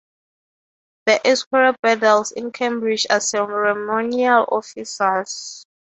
The Esquire Bedells in Cambridge are ceremonial officers.